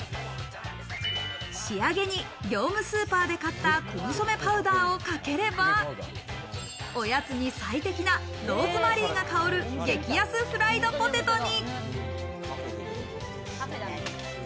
仕上げに業務スーパーで買ったコンソメパウダーをかければ、おやつに最適なローズマリーが香る激安フライドポテトに。